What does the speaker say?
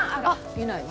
いないわ。